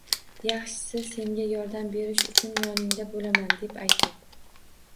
Yaxshisi: “Senga yordam berish uchun yoningda bo‘laman?” deb ayting.